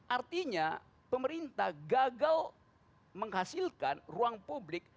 artinya pemerintah gagal menghasilkan ruang publik